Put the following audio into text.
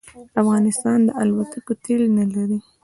افغانستان د الوتکو تېل نه لري